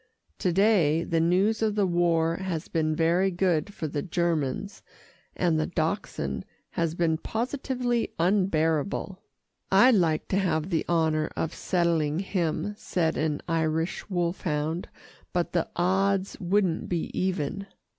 To day, the news of the war has been very good for the Germans, and the Dachshund has been positively unbearable." "I'd like to have the honour of settling him," said an Irish wolfhound, "but the odds wouldn't be even."